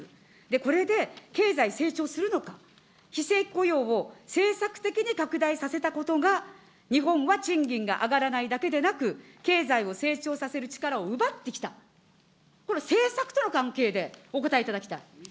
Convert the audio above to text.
これで経済成長するのか、非正規雇用を、政策的に拡大させたことが日本は賃金が上がらないだけでなく、経済を成長させる力を奪ってきた、これ、政策との関係でお答えいただきたい。